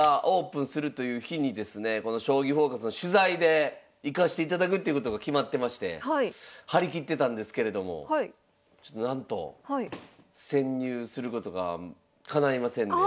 この「将棋フォーカス」の取材で行かしていただくっていうことが決まってまして張り切ってたんですけれどもちょっとなんと潜入することがかないませんで。